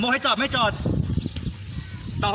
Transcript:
ดูให้ลองจับ